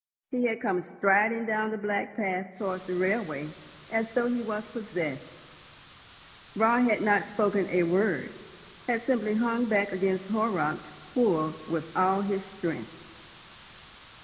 He had come striding down the black path towards the railway as though he was possessed. Raut had not spoken a word, had simply hung back against Horrocks' pull with all his strength.